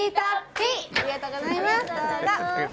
ありがとうございます。